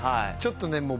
ちょっとね